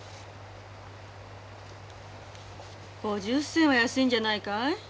５０銭は安いんじゃないかい？